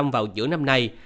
bảy mươi vào giữa năm nay